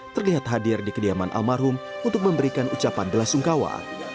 terlihat hadir di kediaman almarhum untuk memberikan ucapan belasungkawa